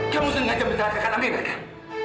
kamu sengaja menjelakakan amirah kan